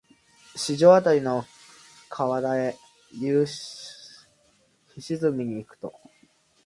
四条あたりの河原へ夕涼みに行くと、